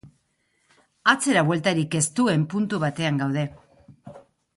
Atzerabueltarik ez duen puntu batean gaude.